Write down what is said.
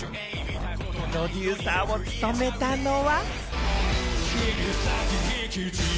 プロデューサーを務めたのは。